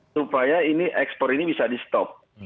supaya ini ekspor ini bisa di stop